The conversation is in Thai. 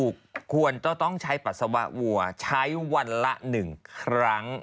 ควรจะต้องใช้ปัสสาวะวัวใช้วันละ๑ครั้ง